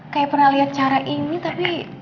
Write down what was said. kayak pernah lihat cara ini tapi